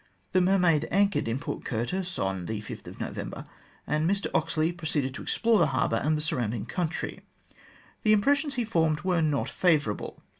The Mermaid anchored in Port Curtis on November 5, and Mr Oxley proceeded to explore the harbour and the surrounding country. The impres sions he formed were not favourable.